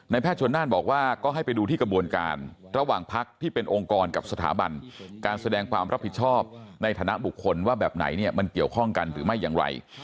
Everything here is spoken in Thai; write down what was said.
แพทย์ชนน่านบอกว่าก็ให้ไปดูที่กระบวนการระหว่างพักที่เป็นองค์กรกับสถาบันการแสดงความรับผิดชอบในฐานะบุคคลว่าแบบไหนเนี่ยมันเกี่ยวข้องกันหรือไม่อย่างไร